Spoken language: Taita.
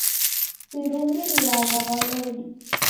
Sirumiriagha w'alodi.